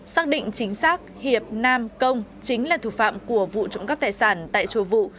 xác định chính xác hiệp nam công chính là thủ phạm của vụ trộm cắp tài sản tại chùa vụ